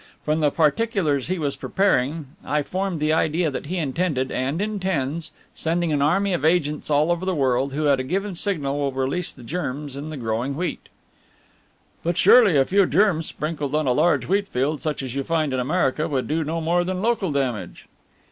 From the particulars he was preparing I formed the idea that he intended, and intends, sending an army of agents all over the world who, at a given signal, will release the germs in the growing wheat." "But surely a few germs sprinkled on a great wheatfield such as you find in America would do no more than local damage?"